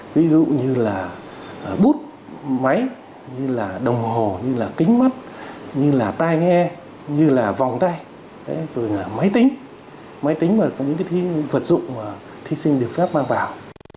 ví dụ như là bút máy như là đồng hồ như là kính mắt như là tai nghe như là vòng tay rồi máy tính máy tính và những vật dụng mà thí sinh được phép mang vào